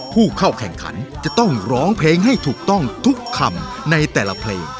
ผู้เข้าแข่งขันจะต้องร้องเพลงให้ถูกต้องทุกคำในแต่ละเพลง